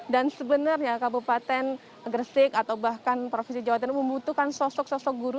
dan sebenarnya kabupaten gersik atau bahkan provinsi jawa timur membutuhkan sosok sosok guru